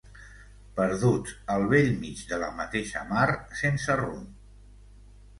Perduts al bell mig de la mateixa mar, sense rumb.